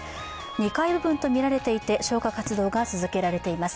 ２階部分とみられていて消火活動が続けられています。